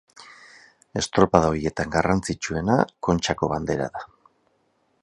Estropada horietan garrantzitsuena Kontxako Bandera da.